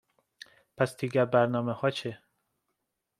پس دیگر برنامهها چه؟